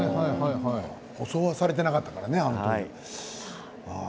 舗装はされていなかったからね、あの時。